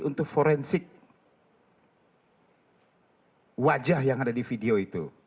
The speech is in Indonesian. untuk forensik wajah yang ada di video itu